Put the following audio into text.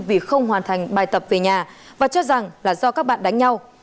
vì không hoàn thành bài tập về nhà và cho rằng là do các bạn đánh nhau